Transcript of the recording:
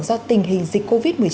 do tình hình dịch covid